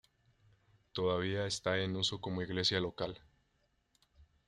Todavía está en uso como iglesia local.